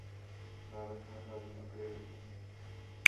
Náves se nachází na okraji vesnice.